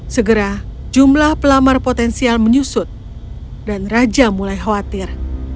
segera jumlah pelamar potensial menyusut dan raja mulai khawatir